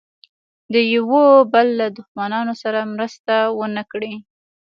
د یوه بل له دښمنانو سره مرسته ونه کړي.